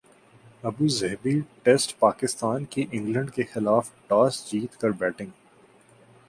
Abu Dhabi ٹیسٹپاکستان کی England کیخلاف toss جیت کر بیٹنگ